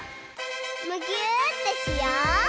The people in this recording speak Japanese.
むぎゅーってしよう！